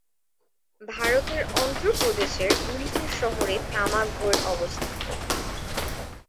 ভারতের অন্ধ্রপ্রদেশের গুন্টুর শহরে তামাক বোর্ড অবস্থিত।